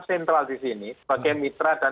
sentral di sini sebagai mitra dan